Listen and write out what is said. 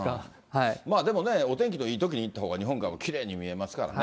まあでもね、お天気のいいときに行ったほうが日本海もきれいに見えますからね。